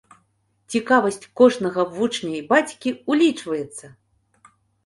Цікавасць кожнага вучня і бацькі улічваецца!